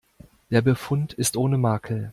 Der Befund ist ohne Makel.